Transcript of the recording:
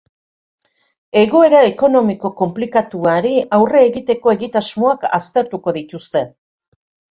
Egoera ekonomiko konplikatuari aurre egiteko egitasmoak aztertuko dituzte.